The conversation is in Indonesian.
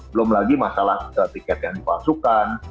belum lagi masalah tiket yang dipalsukan